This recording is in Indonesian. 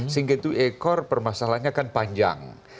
sehingga itu ekor permasalahannya kan panjang